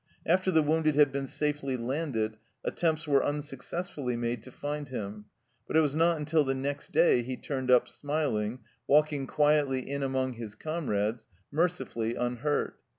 After the wounded had been safely landed attempts were unsuccessfully made to find him, but it was not until the next day he turned up smiling, walking quietly in among his comrades, mercifully unhurt.